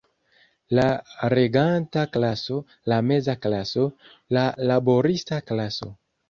La reganta klaso, la meza klaso, la laborista klaso.